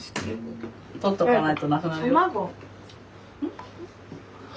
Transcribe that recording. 取っておかないとなくなるよ。